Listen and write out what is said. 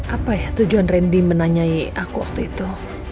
apa ya tujuan randy menanyai aku waktu itu